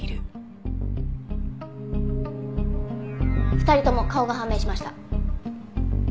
２人とも顔が判明しました。